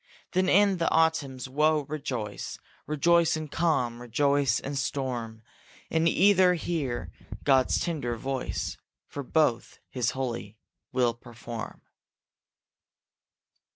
Then in the autumn's woe rejoice, Rejoice in calm, rejoice in storm; In either hear God's tender voice, For both his holy will perform.